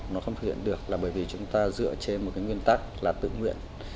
nó không thực hiện được là bởi vì chúng ta dựa trên một cái nguyên tắc là tự nguyện